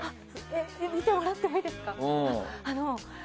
見てもらってもいいですか？